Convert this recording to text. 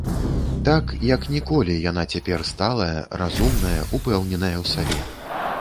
Так, як ніколі, яна цяпер сталая, разумная, упэўненая ў сабе.